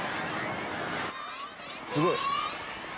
すごい。